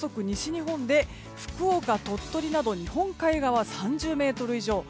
西日本で福岡、鳥取など日本海側、３０メートル以上。